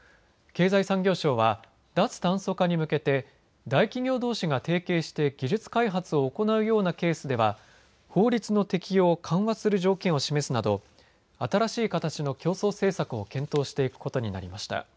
経済産業省は脱炭素化に向けて大企業どうしが提携して技術開発を行うようなケースでは法律の適用を緩和する条件を示すなど新しい形の競争政策を検討していくことになりました。